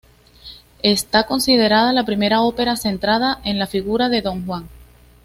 Está considerada la primera ópera centrada en la figura de Don Juan.